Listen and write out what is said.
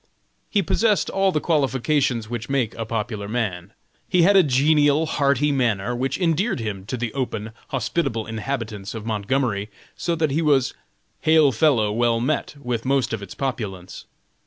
He possessed all the qualifications which make a popular man. He had a genial, hearty manner, which endeared him to the open, hospitable inhabitants of Montgomery, so that he was "hail fellow, well met," with most of its populace.